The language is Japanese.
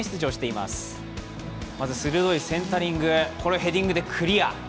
まず、鋭いセンタリング、これをヘディングでクリア。